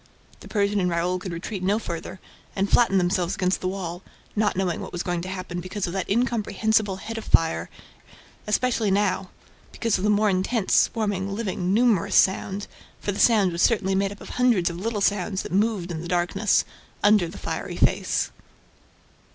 The Persian and Raoul could retreat no farther and flattened themselves against the wall, not knowing what was going to happen because of that incomprehensible head of fire, and especially now, because of the more intense, swarming, living, "numerous" sound, for the sound was certainly made up of hundreds of little sounds that moved in the darkness, under the fiery face.